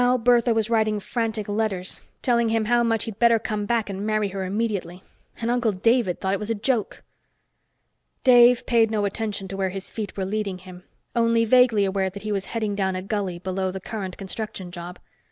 Now Bertha was writing frantic letters, telling him how much he'd better come back and marry her immediately. And Uncle David thought it was a joke! Dave paid no attention to where his feet were leading him, only vaguely aware that he was heading down a gully below the current construction job.